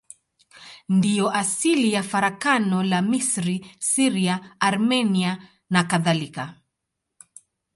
Ndiyo asili ya farakano la Misri, Syria, Armenia nakadhalika.